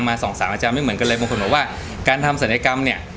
ไม่เท่ากัน